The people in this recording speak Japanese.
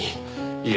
いえ